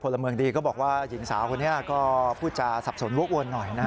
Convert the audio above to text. ละเมืองดีก็บอกว่าหญิงสาวคนนี้ก็พูดจาสับสนวกวนหน่อยนะฮะ